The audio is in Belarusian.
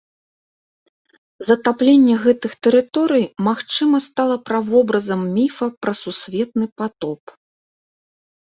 Затапленне гэтых тэрыторый, магчыма, стала правобразам міфа пра сусветны патоп.